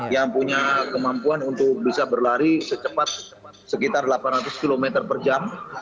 yang punya kemampuan untuk bisa berlari secepat sekitar delapan ratus km per jam